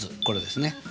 これですね。